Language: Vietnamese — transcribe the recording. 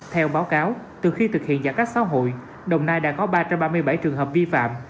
theo báo cáo từ khi thực hiện giãn cách xã hội đồng nai đã có ba trăm ba mươi bảy trường hợp vi phạm